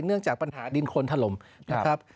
เนื่องจากปัญหาดินโคนถล่มนะครับ